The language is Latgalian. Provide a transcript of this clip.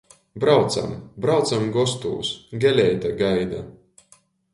Braucam, braucam gostūs, Geleite gaida.